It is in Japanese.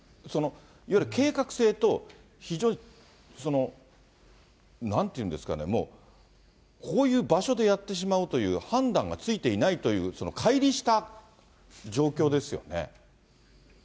いわゆる計画性と非常に、なんていうんですかね、こういう場所でやってしまうという判断がついていないという、そのかい離した状況ですよね。